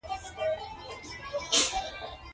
تر کوره پورې تلم